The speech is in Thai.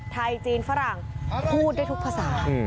ไทยจีนฝรั่งพูดได้ทุกภาษา